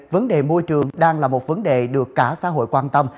vấn đề môi trường đang là một vấn đề được cả xã hội quan tâm